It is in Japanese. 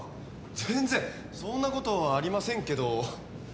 全然そんなことありませんけど。